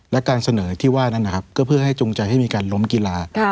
และการเสนอที่ว่านั้นนะครับก็เพื่อให้จูงใจให้มีการล้มกีฬา